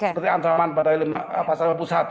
seperti ancaman pada pasal lima puluh satu